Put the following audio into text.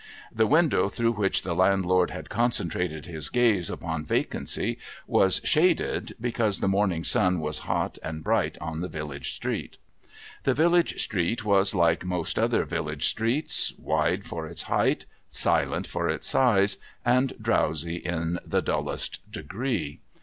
The window through which the. landlord had concentrated his gaze upon vacancy was shaded, because the morning sun was hot and bright on the village street. The village street was like most other village streets : wide for its height, silent for its size, and drowsy in the dullest degree.